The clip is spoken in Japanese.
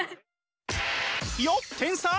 よっ天才！